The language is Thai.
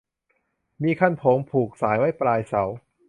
มีคันโพง ผูกสาย ไว้ปลายเสา